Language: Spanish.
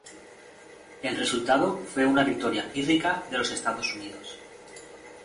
El resultado fue una victoria pírrica de los Estados Unidos.